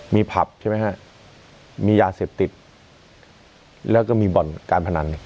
มีผับใช่ไหมฮะมียาเสพติดแล้วก็มีบ่อนการพนัน